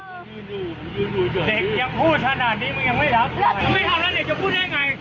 เด็กยังพูดชนะมันยังไม่รับเราไม่ทนแล้วเด็กจะพูดให้ไง